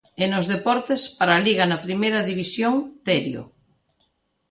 E nos deportes, para a Liga na Primeira División, Terio.